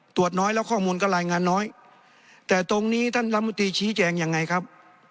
ตรวจน้อยแล้วข้อมูลก็รายงานน้อยแต่ตรงนี้ท่านรัฐมนตรีชี้แจงยังไงครับ